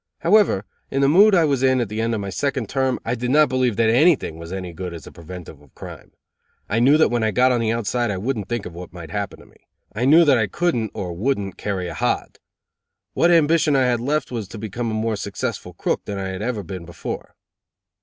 However, in the mood I was in at the end of my second term, I did not believe that anything was any good as a preventive of crime. I knew that when I got on the outside I wouldn't think of what might happen to me. I knew that I couldn't or wouldn't carry a hod. What ambition I had left was to become a more successful crook than I had ever been before.